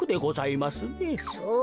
そう。